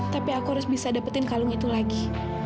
tapi aku harus bisa dapetin kalung itu lagi